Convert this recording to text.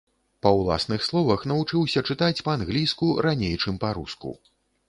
Па ўласных словах, навучыўся чытаць па-англійску раней, чым па-руску.